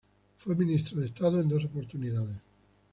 Fue ministro de Estado en dos oportunidades.